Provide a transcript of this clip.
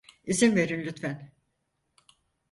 İzin verin lütfen.